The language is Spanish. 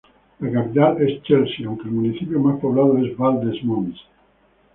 La capital es Chelsea aunque el municipio más poblado es Val-des-Monts.